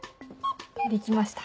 できました。